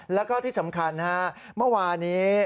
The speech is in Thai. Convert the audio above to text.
แล้วก็ที่สำคัญนะฮะเมื่อวานี้